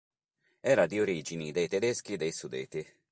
Era di origini dei Tedeschi dei Sudeti.